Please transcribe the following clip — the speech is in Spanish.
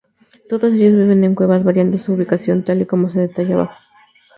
Todos ellos viven en cuevas, variando su ubicación tal y cómo se detalla abajo.